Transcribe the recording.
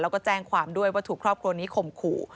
แล้วก็แจ้งความด้วยว่าถูกครอบครัวนี้ข่มขู่